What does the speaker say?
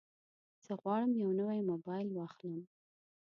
زه غواړم یو نوی موبایل واخلم.